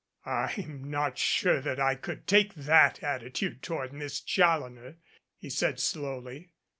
"I'm not sure that I could take that attitude toward Miss Challoner," he said slowly.